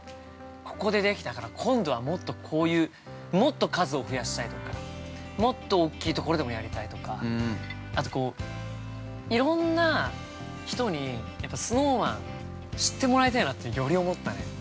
ここでできたから、今度はもっとこういうもっと数を増やしたいとか、もっと大きいところでもやりたいとか、あとこう、いろんな人にＳｎｏｗＭａｎ知ってもらいたいなと、より思ったね。